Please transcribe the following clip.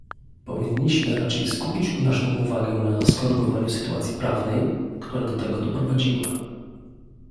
Powinniśmy raczej skupić naszą uwagę na skorygowaniu sytuacji prawnej, która do tego doprowadziła